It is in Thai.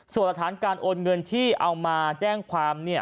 ส่วนหลักฐานการโอนเงินที่เอามาแจ้งความ